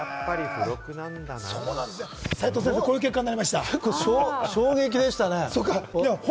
齋藤先生、こういう結果にな衝撃的でしたね。